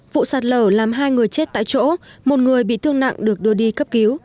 vụ sạt lở làm hai người chết tại chỗ một người bị thương nặng được đưa đi cấp cứu